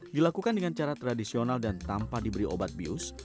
dilakukan dengan cara tradisional dan tanpa diberi obat bius